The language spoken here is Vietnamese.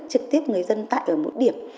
trực tiếp người dân tại ở mỗi điểm